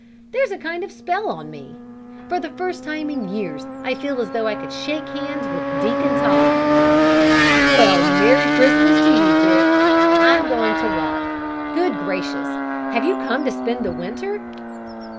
There's a kind of spell on me! For the first time in years I feel as though I could shake hands with Deacon Todd." "Well, Merry Christmas to you, Dick, I'm going to walk. Good gracious! Have you come to spend the winter?"